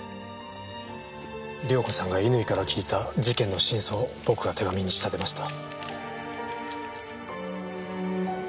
涼子さんが乾から聞いた事件の真相を僕が手紙に仕立てました。